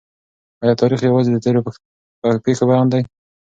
آیا تاریخ یوازي د تېرو پېښو بیان دی؟